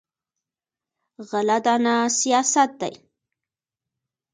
غله دانه سیاست دی.